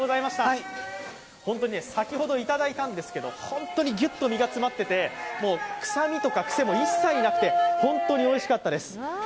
先ほどいただいたんですけど本当にぎゅっと身が詰まっていて臭みとか癖も一切なくて本当においしかったです。